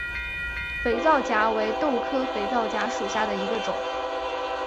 肥皂荚为豆科肥皂荚属下的一个种。